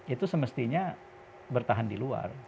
itu semestinya bertahan di luar